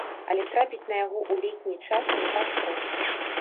Але трапіць на яго ў летні час не так проста.